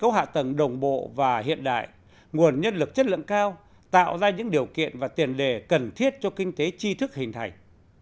cấu hạ tầng đồng bộ và hiện đại nguồn nhân lực chất lượng cao tạo ra những điều kiện và tiền đề cần thiết cho kinh tế chi thức hình thành